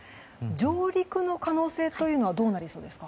上陸の可能性というのはどうなりそうですか？